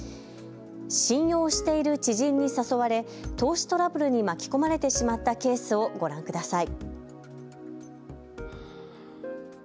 信用している知人に誘われ投資トラブルに巻き込まれてしまったケースをご覧ください。